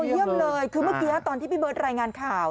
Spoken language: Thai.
เยี่ยมเลยคือเมื่อกี้ตอนที่พี่เบิร์ตรายงานข่าว